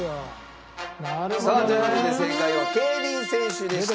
さあというわけで正解は競輪選手でした。